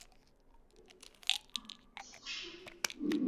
hasa katika mji wa bengal